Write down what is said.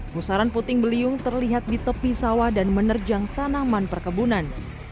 pusaran puting beliung terlihat di tepi sawah dan menerjang tanaman perkebunan